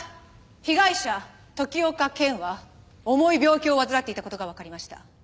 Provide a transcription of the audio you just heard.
被害者時岡賢は重い病気を患っていた事がわかりました。